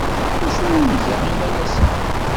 D acu ay nga imalas-a?